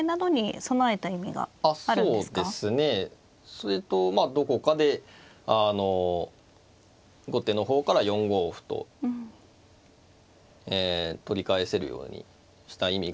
それとまあどこかで後手の方から４五歩とええ取り返せるようにした意味がありますね。